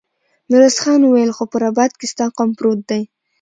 ميرويس خان وويل: خو په رباط کې ستا قوم پروت دی.